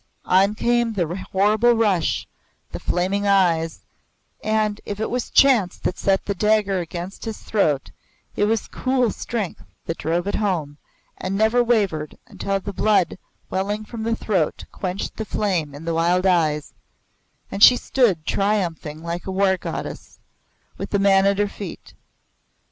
On came the horrible rush, the flaming eyes, and, if it was chance that set the dagger against his throat, it was cool strength that drove it home and never wavered until the blood welling from the throat quenched the flame in the wild eyes, and she stood triumphing like a war goddess, with the man at her feet.